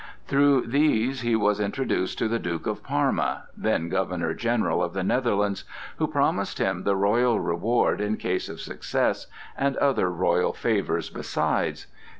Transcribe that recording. Through these he was introduced to the Duke of Parma, then Governor General of the Netherlands, who promised him the royal reward in case of success, and other royal favors besides.